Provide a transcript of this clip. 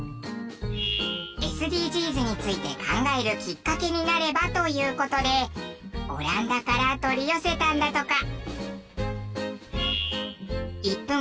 ＳＤＧｓについて考えるきっかけになればという事でオランダから取り寄せたんだとか。